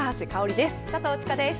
佐藤千佳です。